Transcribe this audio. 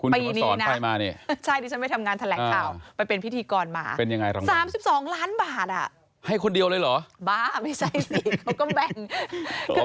ไปนี้นะใช่คือชั้นไปทำงานแถลกข่าวไปเป็นพิธีกรมาที่นี่หน้า